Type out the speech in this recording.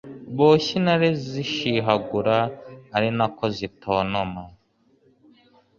boshye intare zishihagura ari na ko zitontoma